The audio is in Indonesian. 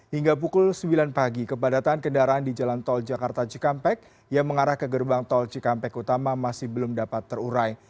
hingga pukul sembilan pagi kepadatan kendaraan di jalan tol jakarta cikampek yang mengarah ke gerbang tol cikampek utama masih belum dapat terurai